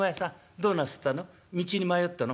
どうなすったの？